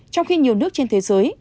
trong khi nhiều nước trên thế giới